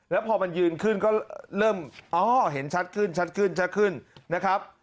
แล้วพอมันยืนขึ้นก็เริ่มอ๋อเห็นชัดขึ้นชัดขึ้นชัดขึ้นนะครับ